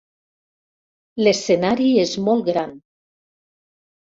L'escenari és molt gran.